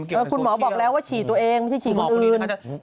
เกี่ยวกับโซเชียลคุณหมอบอกแล้วว่าฉี่ตัวเองไม่ใช่ฉี่คนอื่นคุณหมอคุณอื่น